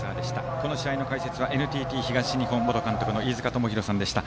この試合の解説はＮＴＴ東日本元監督の飯塚智広さんでした。